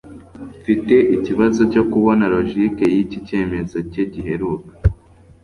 Mfite ikibazo cyo kubona logique yiki cyemezo cye giheruka